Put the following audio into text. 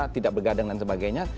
tidak bergadang dan sebagainya